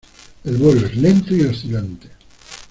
El vuelo es lento y oscilante.